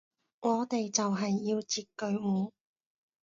我哋就係要截佢糊